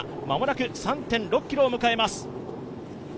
間もなく３．６ｋｍを迎えます。